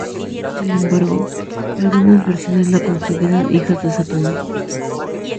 Sin embargo, algunas versiones la consideran hija de Satanás.